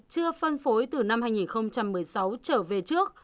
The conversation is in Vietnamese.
chưa phân phối từ năm hai nghìn một mươi sáu trở về trước